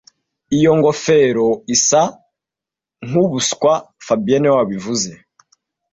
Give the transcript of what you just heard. Iyo ngofero isa nkubuswa fabien niwe wabivuze